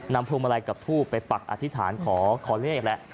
นำพลวงมาลัยกับทูปไปปักอธิษฐานขอขอเรียกแล้ว